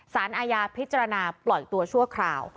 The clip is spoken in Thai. สารอาญาพิจารณาปล่อยตัวชั่วคราว